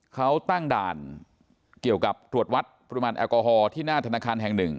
เขาตั้งด่านเกี่ยวกับตรวจวัดปริมาณแอลกอฮอล์ที่หน้าธนาคารแห่งหนึ่ง